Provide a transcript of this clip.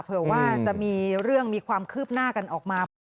เผื่อว่าจะมีเรื่องมีความคืบหน้ากันออกมา